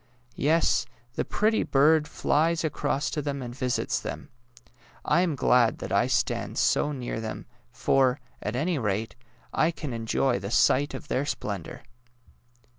Yes; the pretty bird flies across to them and visits them. I am glad that I stand so near them, for, at any rate, I can enjoy the sight of their splendour!